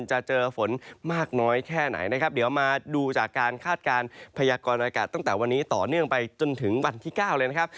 จะเจอฝนมากน้อยแค่ไหนนะครับเดี๋ยวมาดูจากการคาดการณ์พยากรณากาศตั้งแต่วันนี้ต่อเนื่องไปจนถึงวันที่๙เลยนะครับ